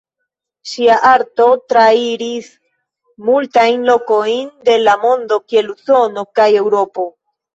Ŝia arto trairis multajn lokojn de la mondo kiel Usono kaj Eŭropo.